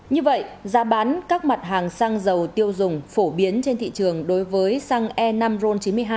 như vậy giá bán các mặt hàng xăng dầu tiêu dùng phổ biến trên thị trường đối với xăng e năm ron chín mươi hai